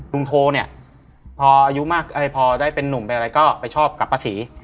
ลุงโทเนี่ยพออายุมากพอได้เป็นนุ่มไปอะไรก็ไปชอบกับประศรี